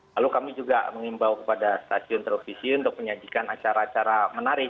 lalu kami juga mengimbau kepada stasiun televisi untuk menyajikan acara acara menarik